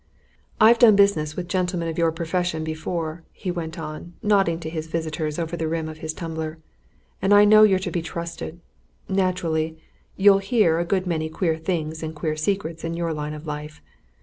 "I've done business with gentlemen of your profession before," he went on, nodding to his visitors over the rim of his tumbler, "and I know you're to be trusted naturally, you hear a good many queer things and queer secrets in your line of life.